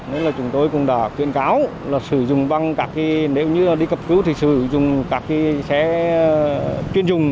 nên là chúng tôi cũng đã chuyên cáo là sử dụng bằng các khi nếu như đi cập cứu thì sử dụng các xe chuyên dùng